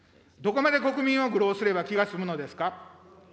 どこまで国民を愚弄すれば気が済むのですか。